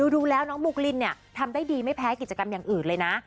ดูแล้วน้องบุคลินเนี่ยทำได้ดีไม่แพ้กิจกรรมอย่างอื่นเลยนะ